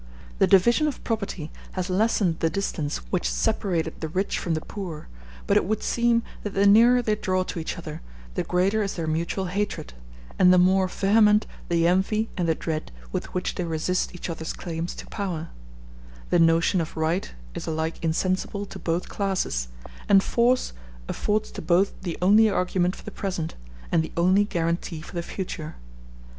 The division of property has lessened the distance which separated the rich from the poor; but it would seem that the nearer they draw to each other, the greater is their mutual hatred, and the more vehement the envy and the dread with which they resist each other's claims to power; the notion of Right is alike insensible to both classes, and Force affords to both the only argument for the present, and the only guarantee for the future.